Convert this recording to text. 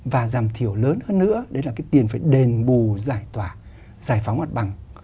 và giảm thiểu lớn hơn nữa đấy là cái tiền phải đền bù giải tỏa giải phóng mặt bằng